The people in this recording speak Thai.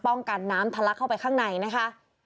กันน้ำทะลักเข้าไปข้างในนะคะ